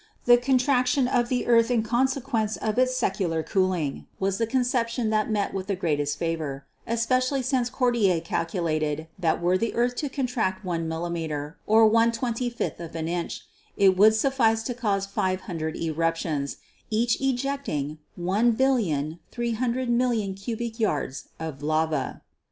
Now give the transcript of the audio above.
The contraction of the earth in consequence of its secular cooling was the conception that met with the greatest favor, especially since Cordier cal culated that were the earth to contract one millimeter, or one twenty fifth of an inch, it would suffice to cause 500 eruptions, each ejecting 1,300,000,000 cubic yards of lava.